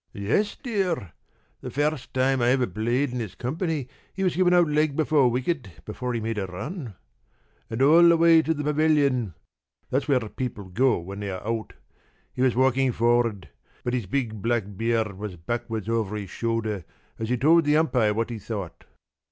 p> "Yes, dear; the first time I ever played in his company he was given out leg before wicket before he made a run. And all the way to the pavilion that's where people go when they are out he was walking forward, but his big black beard was backward over his shoulder as he told the umpire what he thought."